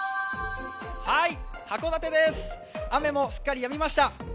函館です、雨もすっかりやみました。